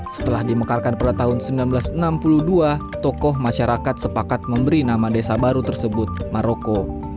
setelah dimekarkan pada tahun seribu sembilan ratus enam puluh dua tokoh masyarakat sepakat memberi nama desa baru tersebut maroko